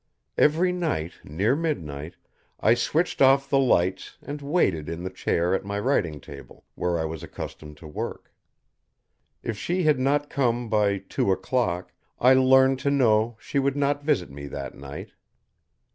Every night, near midnight, I switched off the lights and waited in the chair at my writing table, where I was accustomed to work. If she had not come by two o'clock, I learned to know she would not visit me that night.